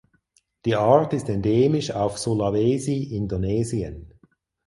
Die Art ist endemisch auf Sulawesi (Indonesien).